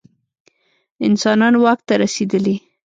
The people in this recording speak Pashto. انسانان واک ته رسېدلي.